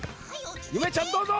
ゆめちゃんどうぞ。